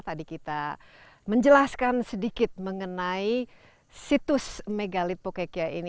tadi kita menjelaskan sedikit mengenai situs megalith co ka ini